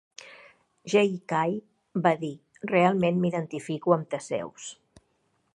Jay Kay va dir, realment m'identifico amb Theseus.